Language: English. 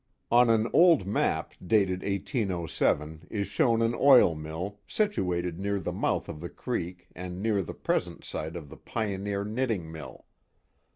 On an old map, dated 1807, *s shown an oil mill, situated near the mouth of the creek and near the present site of the Pioneer Knitting Mill.